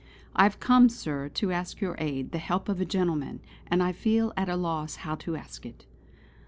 "I have come, Sir, to ask your aid, the help of a gentleman; and I feel at a loss how to ask it."